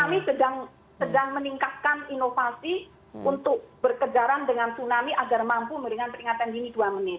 kami sedang meningkatkan inovasi untuk berkejaran dengan tsunami agar mampu memberikan peringatan dini dua menit